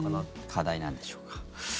課題なんでしょうか。